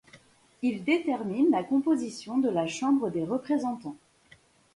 Il détermine la composition de la Chambre des représentants.